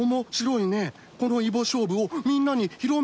このイボ勝負をみんなに広めよう。